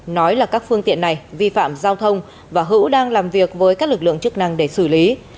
nói là các phương tiện này vi phạm giao thông và hữu đang làm việc với các lực lượng chức năng để xử lý